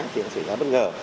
thì có sự giá bất ngờ